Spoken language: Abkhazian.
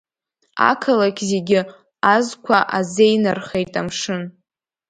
Ақалақь зегьы азқәа азеинархеит амшын.